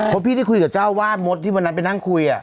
พี่ที่ได้คุยกับเจ้าว่านมดที่ว่านั้นไปนั่งคุย